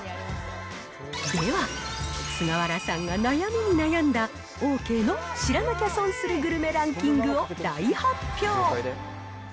では、菅原さんが悩みに悩んだオーケーの知らなきゃ損するグルメランキングを大発表。